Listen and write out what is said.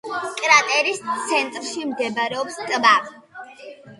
კრატერის ცენტრში მდებარეობს ტბა.